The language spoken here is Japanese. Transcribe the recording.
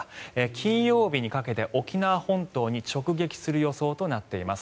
金曜日にかけて沖縄本島に直撃する予想となっています。